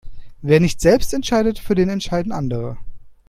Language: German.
Wer nicht selbst entscheidet, für den entscheiden andere.